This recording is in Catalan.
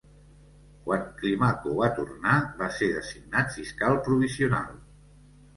Quan Climaco va tornar, va ser designat fiscal provincial.